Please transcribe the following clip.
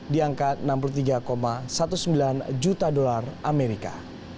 di angka enam puluh tiga sembilan belas juta dolar amerika